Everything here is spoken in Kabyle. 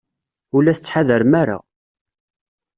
Ur la tettḥadarem ara.